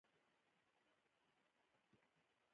د خدای کور ته مې تلوسه زیاته وه.